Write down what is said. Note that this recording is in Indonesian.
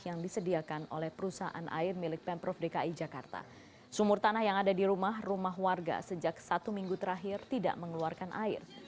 yang ada di rumah rumah warga sejak satu minggu terakhir tidak mengeluarkan air